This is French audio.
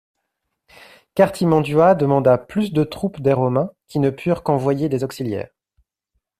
Cartimandua demanda plus de troupes des Romains, qui ne purent qu'envoyer des auxiliaires.